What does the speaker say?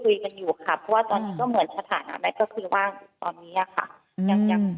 เพราะว่าตอนนี้ก็เหมือนสถานะแม็กซ์ก็คือว่างอยู่ตอนนี้